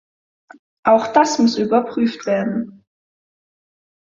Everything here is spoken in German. Auch das muss überprüft werden.